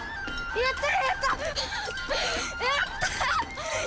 やった！